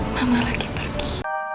mama lagi pergi